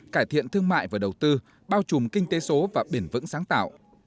cải thiện thương mại và đầu tư bao trùm kinh tế số và biển vững sáng tạo